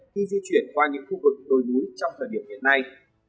khi di chuyển qua những khu vực đồi núi trong thời điểm hiện nay